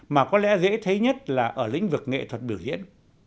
mà có lẽ dễ thấy nhất là ở lĩnh vực nghệ thuật biểu diễn